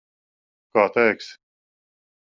Kā teiksi.